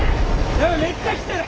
やべえめっちゃ来てる！